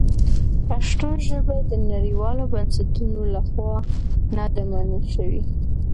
پښتو ژبه د نړیوالو بنسټونو لخوا نه ده منل شوې.